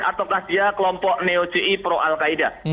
atau kelompok neo ji pro al qaeda